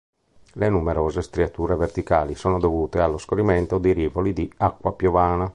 Le numerose striature verticali sono dovute allo scorrimento di rivoli di acqua piovana.